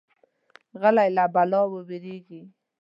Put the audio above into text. غلی، له بلا ووېریږي.